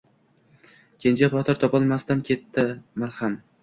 Kenja botir topolmasdan ketdi malham.